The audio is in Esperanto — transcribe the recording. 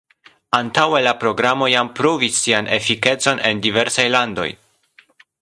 Antaŭe la Programo jam pruvis sian efikecon en diversaj landoj.